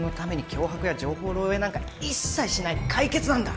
脅迫や情報漏洩なんか一切しない怪傑なんだ